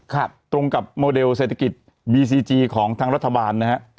ตรงกับโมเดลเศรษฐกิจบีซีจีของทางรัฐบาลนะฮะ